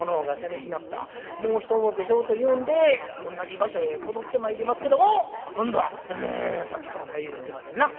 もうひともうけしようというんで同じ場所へ戻ってまいりますけども今度はうんさっきと同じようにいきませんな。